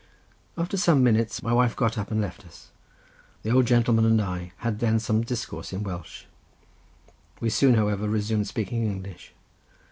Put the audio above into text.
After some minutes my wife got up and left us. The old gentleman and I had then some discourse in Welsh; we soon, however, resumed speaking English.